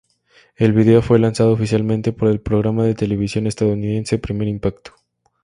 El video fue lanzado oficialmente por el programa de televisión estadounidense "Primer Impacto".